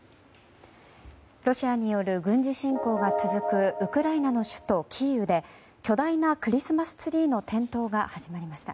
ロシアによる軍事侵攻が続くウクライナの首都キーウで巨大なクリスマスツリーの点灯が始まりました。